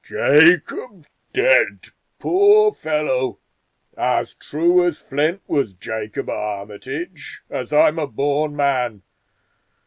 "Jacob dead, poor fellow! As true as flint was Jacob Armitage, as I'm a born man!